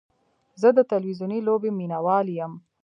زه د تلویزیوني لوبې مینهوال یم.